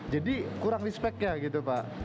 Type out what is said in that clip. jadi kurang respect ya gitu pak